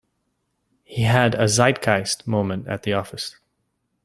He had a zeitgeist moment at the office.